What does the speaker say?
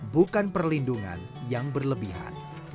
bukan perlindungan yang berlebihan